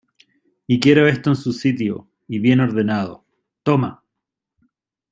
y quiero esto en su sitio y bien ordenado. ¡ toma!